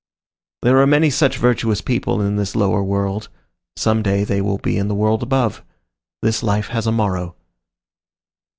There are many such virtuous people in this lower world; some day they will be in the world above. This life has a morrow.